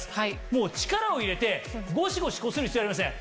もう力を入れてゴシゴシこする必要はありません。